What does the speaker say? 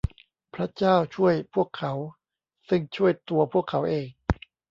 พระเจ้าช่วยพวกเขา ซึ่งช่วยตัวพวกเขาเอง